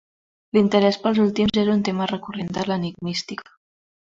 L'interès pels últims és un tema recurrent de l'enigmística.